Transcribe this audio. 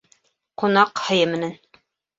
Ҡунаҡ һыйы менән.